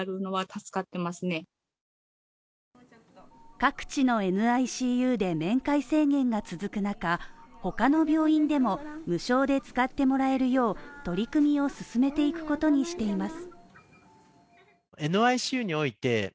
各地のＮＩＣＵで面会制限が続く中、他の病院でも無償で使ってもらえるよう取り組みを進めていくことにしています。